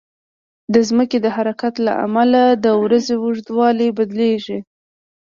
د ځمکې د حرکت له امله د ورځې اوږدوالی بدلېږي.